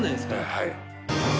はい。